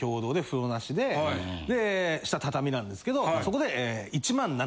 で下畳なんですけどそこで。